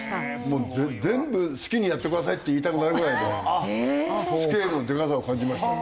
もう全部好きにやってくださいって言いたくなるぐらいのスケールのでかさを感じましたよ。